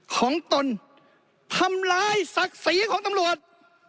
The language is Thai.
ของตนทำร้ายศักดิ์ศรีของตำรวจ